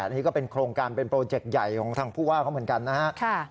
นี่ก็เป็นโครงการเป็นโปรเจกต์ใหญ่ของทางผู้ว่าเขาเหมือนกันนะครับ